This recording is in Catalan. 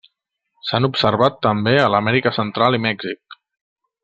S'han observat també a l'Amèrica Central i Mèxic.